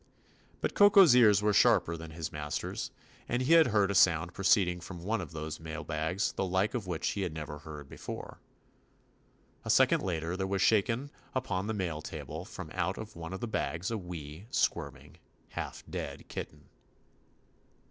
But Koko's ears were sharper than hi? master's, and he had heard a sound proceeding from one of those mail bags the like of which he had never heard before. A second later there was shaken upon the mail table from out one of the bags a wee, squirming, half dead kitten.